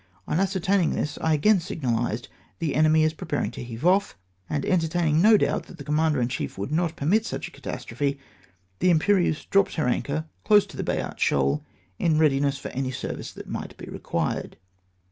On ascertaining this, I again signahsed, " Tlie enemy is preparing to heave off;'' and entertaining no doubt that the Commauder in cliief would not per mit such a catastrophe, the Imperieuse dropped her anchor close to the Boyart Shoal, in readiness for any service that might be required.